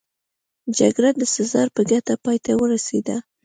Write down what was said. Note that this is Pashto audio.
جګړه د سزار په ګټه پای ته ورسېده